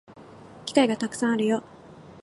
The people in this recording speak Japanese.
機会がたくさんあるよ